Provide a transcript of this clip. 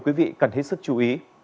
quý vị cần hết sức chú ý